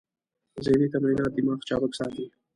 ذهني تمرینات دماغ چابک ساتي.